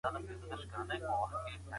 بد انسان تل زيان ورکوي